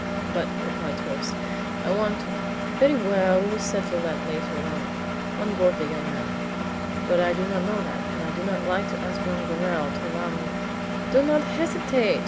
"But," replied Torres, "I want to " "Very well, we will settle that later on, on board the jangada." "But I do not know that, and I do not like to ask Joam Garral to allow me " "Do not hesitate!"